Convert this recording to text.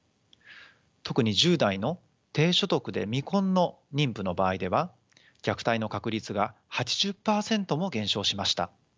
特に１０代の低所得で未婚の妊婦の場合では虐待の確率が８０％も減少しました。